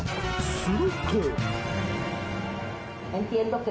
すると。